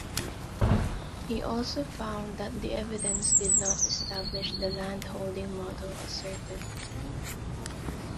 He also found that the evidence did not establish the landholding model asserted.